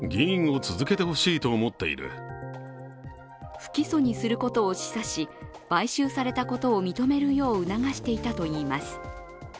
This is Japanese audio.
不起訴にすることを示唆し買収されたことを認めるよう促していたといいます。